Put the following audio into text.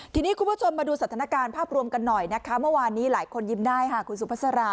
ทีนี้คุณผู้ชมดูภาพรวมกันหน่อยมาวานี้หลายคนยิ้มได้คุณซุมภาษารา